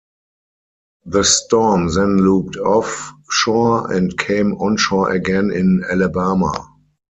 The storm then looped off shore and came onshore again in Alabama.